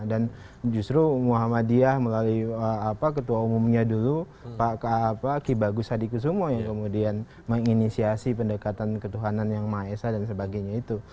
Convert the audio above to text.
dan justru muhammadiyah melalui ketua umumnya dulu pak kibagus hadikusumo yang kemudian menginisiasi pendekatan ketuhanan yang ma'esah dan sebagainya itu